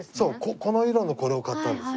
この色のこれを買ったんですよ。